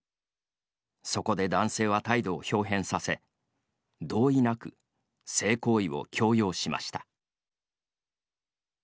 そこで男性は態度をひょう変させ同意なく性行為を強要しました。